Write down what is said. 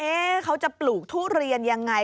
เขาจะปลูกทุเรียนยังไง